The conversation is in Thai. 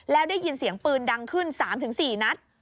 แล้วได้ยินเสียงปืนดังขึ้น๓๔นัด